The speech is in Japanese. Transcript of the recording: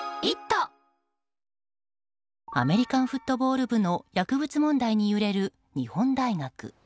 アメリカンフットボール部の薬物問題に揺れる日本大学。